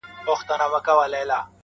او د یوڅه د ذاتي اعراضو احوال څرګندوي